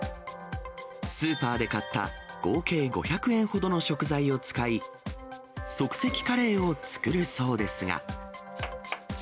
スーパーで買った合計５００円ほどの食材を使い、即席カレーを作るそうですが。